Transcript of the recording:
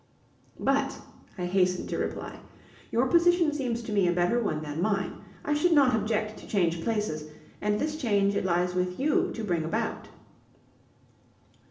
"But," I hastened to reply, "your position seems to me a better one than mine. I should not object to change places, and this change it lies with you to bring about."